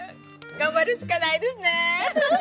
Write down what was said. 頑張るしかないですね。